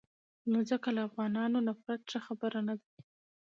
نو ځکه له افغانانو نفرت ښه خبره نه ده.